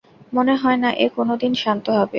মনে হয় না এ কোনো দিন শান্ত হবে।